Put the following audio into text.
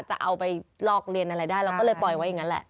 จะเอาไปลอกเรียนอะไรได้เราก็เลยปล่อยไว้อย่างนั้นแหละ